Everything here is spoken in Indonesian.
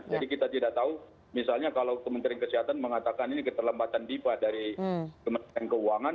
jadi kita tidak tahu misalnya kalau kementerian kesehatan mengatakan ini keterlambatan diva dari kementerian keuangan